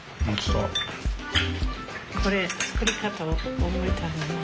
これ作り方覚えたいな。